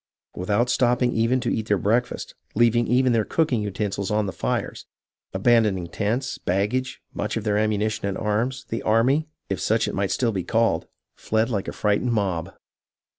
Without stopping even to eat their breakfast, leaving even their cooking utensils on the fires, abandoning tents, baggage, much of their am munition and arms, the army, if such it might still be called, fled like a frightened mob.